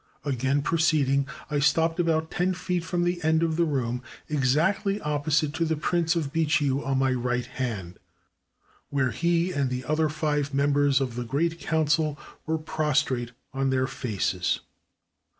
Again pro 440 THE PRESIDENT'S LETTER ceeding, I stopped about ten feet from the end of the room, exactly opposite to the Prince of Bitchiu on my right hand, where he and the other five members of the Great Council were prostrate on their faces.